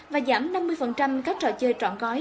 và giảm năm mươi các trò chơi trọn gói